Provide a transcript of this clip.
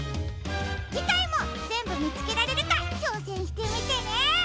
じかいもぜんぶみつけられるかちょうせんしてみてね！